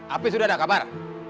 apit sudah ada kabar